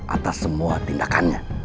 atas semua tindakannya